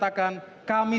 terkadang berhubung saat itu